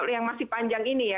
yang masih panjang ini ya